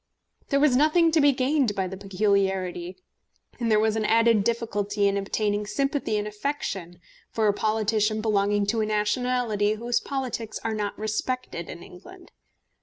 There was nothing to be gained by the peculiarity, and there was an added difficulty in obtaining sympathy and affection for a politician belonging to a nationality whose politics are not respected in England.